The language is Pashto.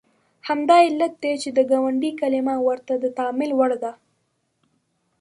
همدا علت دی چې د ګوندي کلمه ورته د تامل وړ ده.